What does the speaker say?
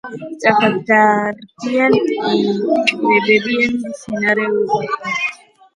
სწრაფად დარბიან, იკვებებიან მცენარეულობით.